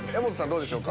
どうでしょうか？